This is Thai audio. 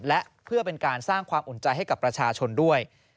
และเพื่อเป็นการสร้างความอุ่นใจให้กับประชาชนด้วย